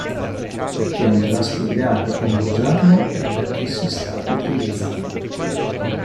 Perché andrà spiegato come usarlo e perché si sta utilizzando.